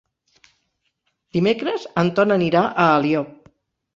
Dimecres en Ton anirà a Alió.